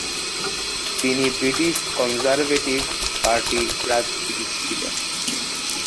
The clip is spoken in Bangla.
তিনি ব্রিটিশ কনজারভেটিভ পার্টি রাজনীতিবিদ ছিলেন।